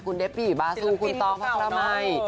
คุณเดปิบาซูคุณต้องภรรมัย